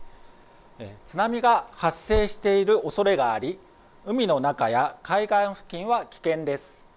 津波が発生しているおそれがあり海の中や海岸付近は危険です。